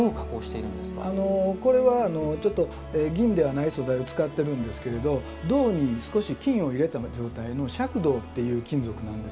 これはちょっと銀ではない素材を使ってるんですけれど銅に少し金を入れた状態の赤銅っていう金属なんですけれども。